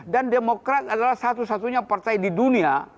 dan demokrat adalah satu satunya partai di dunia